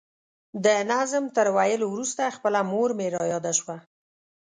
د نظم تر ویلو وروسته خپله مور مې را یاده شوه.